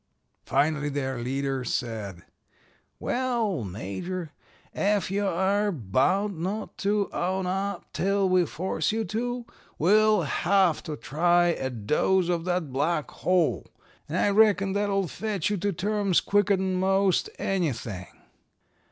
"Finally their leader said: 'Well, Major, ef you are bound not to own up till we force you to, we'll have to try a dose of the Black Hole, and I reckon that'll fetch you to terms quicker'n most anything.'